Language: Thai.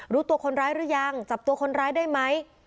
รู้ตัวคนร้ายหรือยังจับตัวคนร้ายได้ไหม